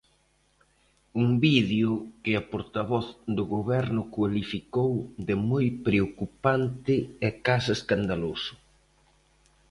Un vídeo que a portavoz do Goberno cualificou de "moi preocupante e case escandaloso".